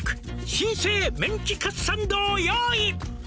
新生メンチカツサンドを用意」